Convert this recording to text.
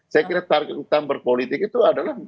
saya kira target utama berpolitik itu adalah